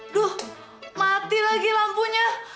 aduh mati lagi lampunya